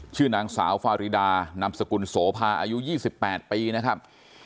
ชื่อนางสาวฟาริดานามสกุลโสภาอายุ๒๘ปีนะครับ